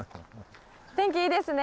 天気いいですね。